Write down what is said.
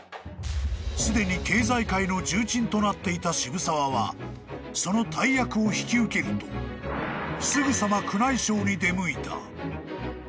［すでに経済界の重鎮となっていた渋沢はその大役を引き受けるとすぐさま宮内省に出向いた］